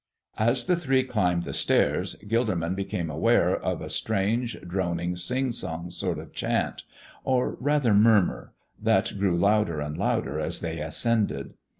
As the three climbed the stairs Gilderman became aware of a strange, droning, sing song sort of chant, or rather mummer, that grew louder and louder as they ascended.